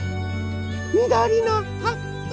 みどりのはっぱ。